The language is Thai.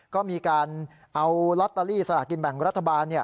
ก็มีการเอาลอตเตอรี่สลากินแบ่งรัฐบาล